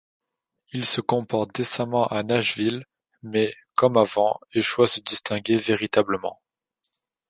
Il se comporte décemment à Nashville, mais, comme avant, échoue à se distinguer véritablement.